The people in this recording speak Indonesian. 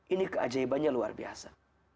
ini keajaibannya luar biasa